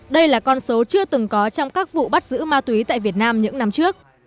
đây là con số chưa từng có trong các vụ bắt giữ ma túy tại việt nam những năm trước